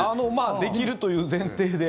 できるという前提で。